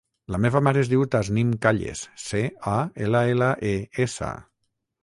La meva mare es diu Tasnim Calles: ce, a, ela, ela, e, essa.